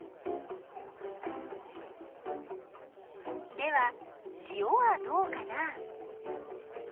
では塩はどうかな？